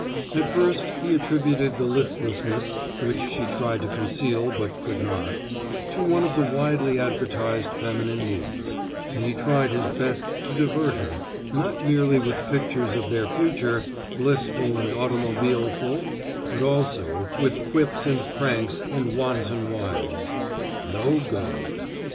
At first he attributed the listlessness, which she tried to conceal but could not, to one of the widely advertised feminine moods, and he tried his best to divert her not merely with pictures of their future, blissful and automobileful, but also with quips and cranks and wanton wiles. No go.